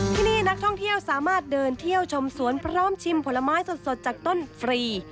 ที่นี่นักท่องเที่ยวสามารถเดินเที่ยวชมสวนพร้อมชิมผลไม้สดจากต้นฟรี